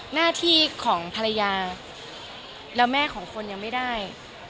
หน้าที่ของภรรยาแล้วแม่ของคนยังไม่ได้